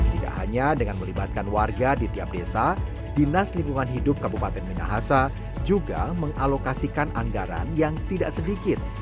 tidak hanya dengan melibatkan warga di tiap desa dinas lingkungan hidup kabupaten minahasa juga mengalokasikan anggaran yang tidak sedikit